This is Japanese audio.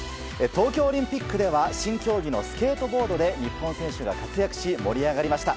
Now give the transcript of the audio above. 東京オリンピックでは新競技のスケートボードで日本選手が活躍し盛り上がりました。